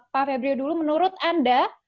pak febrio dulu menurut anda